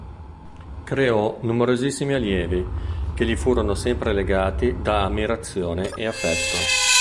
Creò numerosissimi allievi, che gli furono sempre legati da ammirazione e affetto.